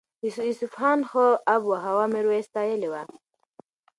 د اصفهان ښه آب و هوا میرویس ستایلې وه.